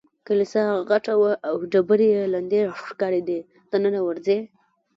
کلیسا غټه وه او ډبرې یې لندې ښکارېدې، دننه ورځې؟